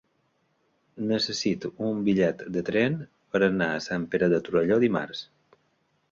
Necessito un bitllet de tren per anar a Sant Pere de Torelló dimarts.